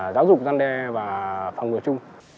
giáo dục gian đe và phòng ngừa chung